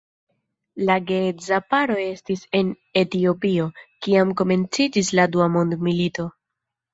La geedza paro estis en Etiopio, kiam komenciĝis la dua mondmilito.